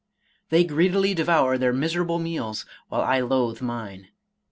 They greedily devour their miserable meals, while I loathe mine.